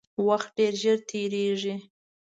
وخت ډیر ژر تیریږي